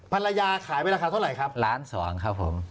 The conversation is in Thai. ภรรยาขายไปราคาเท่าไหร่ครับล้านสองครับผม